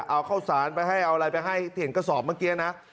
เอาข้าวสารไปให้เอาอะไรไปให้ที่เห็นกระสอบเมื่อกี้นะ